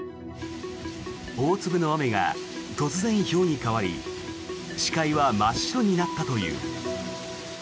大粒の雨が突然ひょうに変わり視界は真っ白になったという。